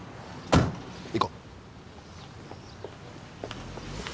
行こう。